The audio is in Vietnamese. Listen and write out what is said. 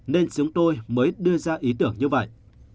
nên chúng tôi mới đưa ra ý tưởng như vậy